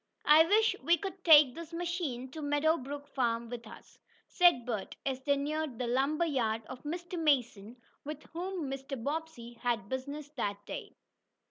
"I wish we could take this machine to Meadow Brook Farm with us," said Bert, as they neared the lumber yard of Mr. Mason, with whom Mr. Bobbsey had business that day.